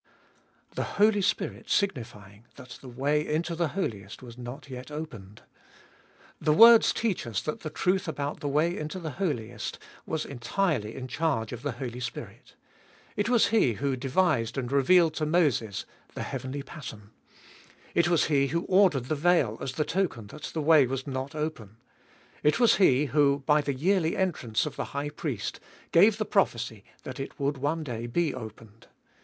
The Holy Spirit signifying that the way into the Holiest was not yet opened. The words teach us that the truth about the way into the Holiest was entirely in charge of the Holy Spirit. It was He who devised and revealed to Moses the 288 abe Doliest of ail heavenly pattern. It was He who ordered the veil as the token that the way was not open. It was He who, by the yearly entrance of the high priest, gave the prophecy that it would one day be opened.